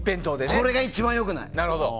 これが一番良くない。